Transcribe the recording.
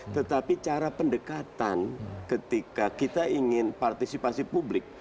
tetapi cara pendekatan ketika kita ingin partisipasi publik